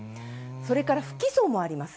それから不起訴もあります。